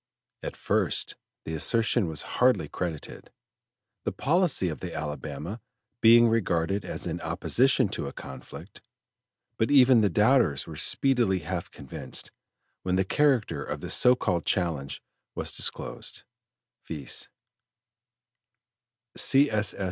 At first, the assertion was hardly credited, the policy of the Alabama being regarded as in opposition to a conflict, but even the doubters were speedily half convinced when the character of the so called challenge was disclosed, viz.: "C. S. S.